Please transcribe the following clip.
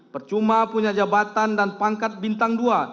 percuma punya jabatan dan pangkat bintang dua